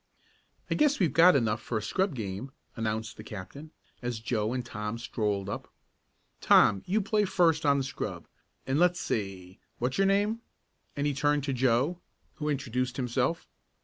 "I guess we've got enough for a scrub game," announced the captain, as Joe and Tom strolled up. "Tom, you play first on the scrub. And let's see what's your name?" and he turned to Joe, who introduced himself.